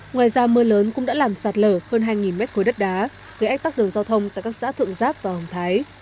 ngoài ra mưa lớn cũng đã làm sạt lở hơn hai mét khối đất đá gây ách tắc đường giao thông tại các xã thượng giáp và hồng thái